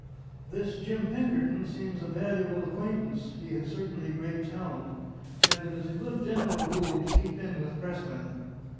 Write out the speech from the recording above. This Jim Pinkerton seems a valuable acquaintance; he has certainly great talent; and it is a good general rule to keep in with pressmen."